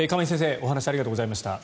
お話ありがとうございました。